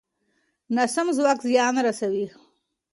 ناسم خوراک زیان رسوي.